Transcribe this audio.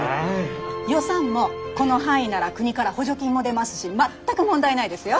予算もこの範囲なら国から補助金も出ますし全く問題ないですよ。